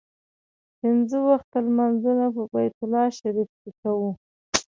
پنځه وخته لمونځونه په بیت الله شریف کې کوو.